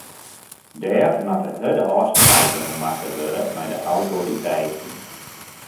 Dêr moatte hurde ôfspraken oer makke wurde mei de autoriteiten.